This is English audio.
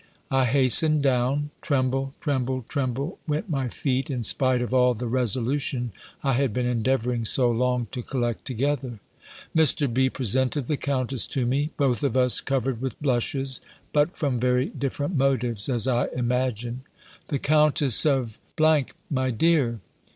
I hastened down; tremble, tremble, tremble, went my feet, in spite of all the resolution I had been endeavouring so long to collect together. Mr. B. presented the countess to me, both of us covered with blushes; but from very different motives, as I imagine. "The Countess of , my dear."